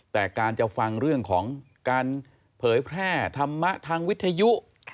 แต่การจะฟังเรื่องของการเผยแพร่ธรรมะทางวิทยุ